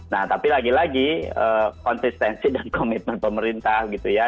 nah tapi lagi lagi konsistensi dan komitmen pemerintah gitu ya